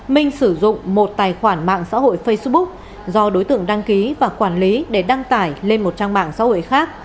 minh sử dụng một tài khoản mạng xã hội facebook do đối tượng đăng ký và quản lý để đăng tải lên một trang mạng xã hội khác